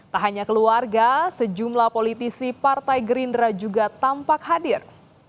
tak hanya keluarga sejumlah politisi partai gerindra juga tampak hadir